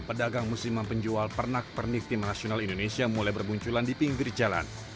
pedagang musim mempenjual pernak pernik tim nasional indonesia mulai berbunculan di pinggir jalan